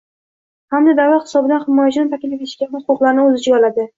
hamda davlat hisobidan himoyachini taklif etish kabi huquqlarni o‘z ichiga oladi.